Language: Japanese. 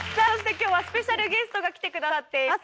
今日はスペシャルゲストが来てくださっています。